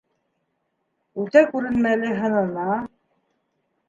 Үтә күренмәле һынына.